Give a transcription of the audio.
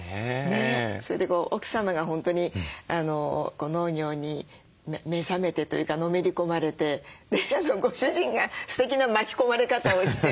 それで奥様が本当に農業に目覚めてというかのめり込まれてご主人がすてきな巻き込まれ方をして。